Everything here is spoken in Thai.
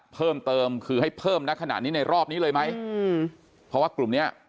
เพราะว่ากลุ่มนี้